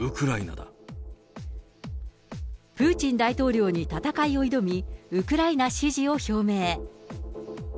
プーチン大統領に戦いを挑み、ウクライナ支持を表明。